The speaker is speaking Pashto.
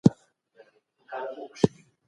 سالم ذهن ځواک نه خرابوي.